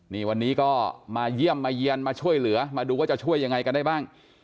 นี่วันนี้ก็มาเยี่ยมมาเยี่ยนมาช่วยเหลือมาดูว่าจะช่วยยังไงกันได้บ้าง